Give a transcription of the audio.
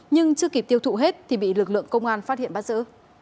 nhưng chưa kịp tiêu thụ hết thì bị lực lượng công an phát hiện bắt giữ